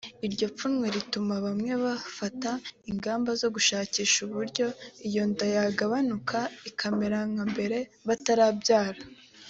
Iryo pfunwe rituma bamwe bafata ingamba zo gushakisha uburyo iyo nda yagabanuka ikamera nka mbera batarabyara